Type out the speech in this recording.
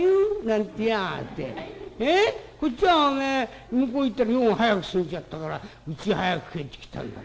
こっちはおめえ向こうへ行ったら用が早く済んじゃったからうちへ早く帰ってきたんだ。